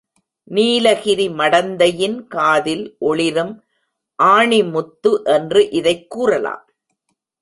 நீலகிரி மடந்தையின் காதில் ஒளிரும் ஆணிமுத்து என்று இதைக் கூறலாம்.